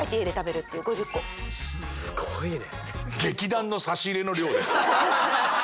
すごいね。